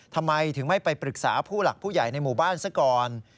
ทำไมถึงไม่ไปปรึกษาผู้หลักผู้ใหญ่ในหมู่บ้านซะก่อน